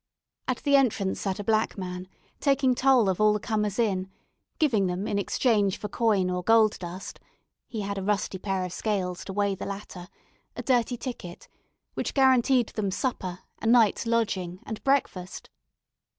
At the entrance sat a black man, taking toll of the comers in, giving them in exchange for coin or gold dust (he had a rusty pair of scales to weigh the latter) a dirty ticket, which guaranteed them supper, a night's lodging, and breakfast.